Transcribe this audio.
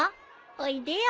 おいでよ。